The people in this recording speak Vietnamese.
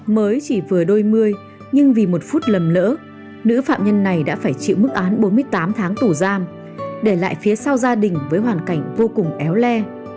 mới chỉ vừa đôi mươi nhưng vì một phút lầm lỡ nữ phạm nhân này đã phải chịu mức án bốn mươi tám tháng tù giam để lại phía sau gia đình với hoàn cảnh vô cùng éo le